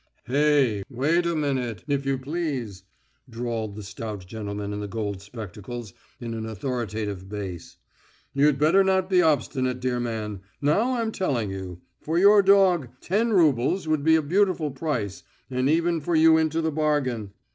"Hey, wait a minute, if you please," drawled the stout gentleman in the gold spectacles in an authoritative bass. "You'd better not be obstinate, dear man, now I'm telling you. For your dog, ten roubles would be a beautiful price, and even for you into the bargain....